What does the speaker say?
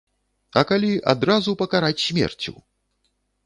А калі адразу пакараць смерцю?!